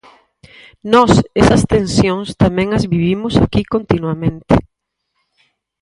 Nós, esas tensións tamén as vivimos aquí continuamente.